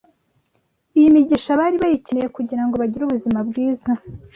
Iyi migisha bari bayikeneye kugira ngo bagire ubuzima bwiza